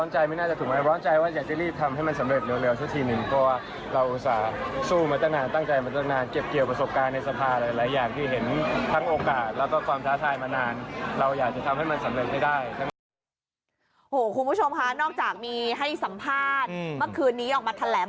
คุณผู้ชมค่ะนอกจากมีให้สัมภาษณ์เมื่อคืนนี้ออกมาแถลง